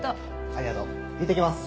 ありがとう。いってきます。